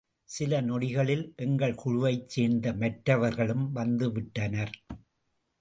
சில நொடிகளில் எங்கள் குழுவைச் சேர்ந்த மற்றவர்களும் வந்துவிட்டனர்.